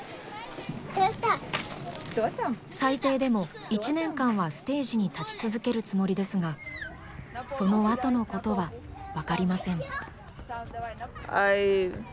最低でも１年間はステージに立ち続けるつもりですがそのあとのことはわかりません。